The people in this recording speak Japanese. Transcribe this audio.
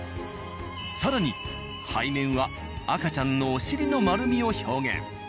更に背面は赤ちゃんのお尻の丸みを表現。